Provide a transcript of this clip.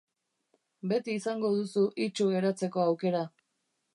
Beti izango duzu itsu geratzeko aukera.